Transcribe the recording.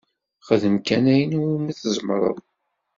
Xdem kan ayen iwumi tzemreḍ.